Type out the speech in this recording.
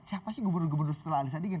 siapa sih gubernur gubernur setelah ali sadikin